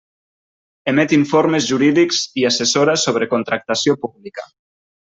Emet informes jurídics i assessora sobre contractació pública.